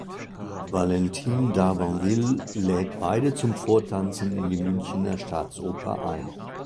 Valentine D’Arbanville lädt beide zum Vortanzen in die Münchener Staatsoper ein.